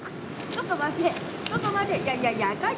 ちょっと待て。